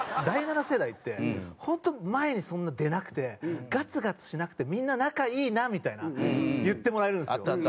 第七世代って本当前にそんな出なくてガツガツしなくてみんな仲いいなみたいな言ってもらえるんですよ。